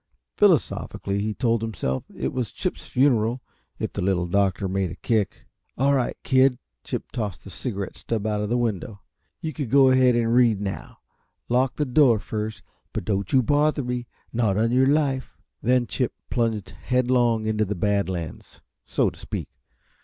Philosophically he told himself it was Chip's funeral, if the Little Doctor made a kick. "All right, kid." Chip tossed the cigarette stub out of the window. "You can go ahead and read, now. Lock the door first, and don't you bother me not on your life." Then Chip plunged headlong into the Bad Lands, so to speak.